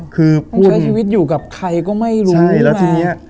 คือต้องใช้ชีวิตอยู่กับใครก็ไม่รู้นะใช่แล้วทีนี้